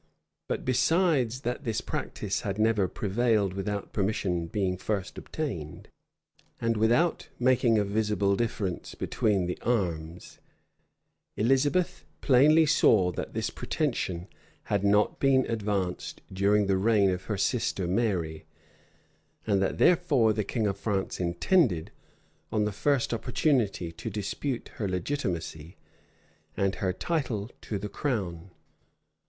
But besides that this practice had never prevailed without permission being first obtained, and without making a visible difference between the arms, Elizabeth plainly saw that this pretension had not been advanced during the reign of her sister Mary; and that, therefore, the king of France intended, on the first opportunity, to dispute her legitimacy, and her title to the crown.